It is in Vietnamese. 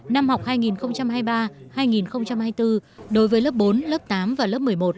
năm học hai nghìn hai mươi ba hai nghìn hai mươi bốn đối với lớp bốn lớp tám và lớp một mươi một